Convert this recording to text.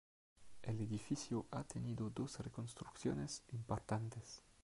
El edificio ha tenido dos reconstrucciones importantes.